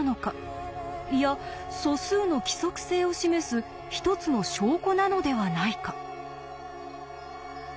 いや素数の規則性を示す一つの証拠なのではないか？